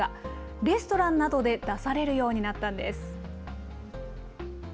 レストランなどで出されるようになったんです。